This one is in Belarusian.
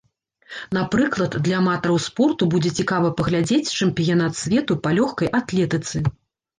Напрыклад, для аматараў спорту будзе цікава паглядзець чэмпіянат свету па лёгкай атлетыцы.